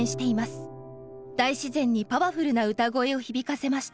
大自然にパワフルな歌声を響かせました。